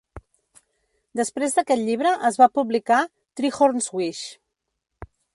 Després d'aquest llibre es va publicar "Treehorn's Wish".